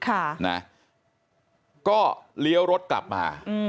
จังหวัดสุราชธานี